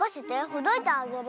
ほどいてあげる。